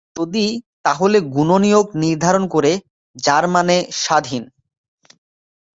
যদি তাহলে গুণনীয়ক নির্ধারণ করে যার মানে স্বাধীন।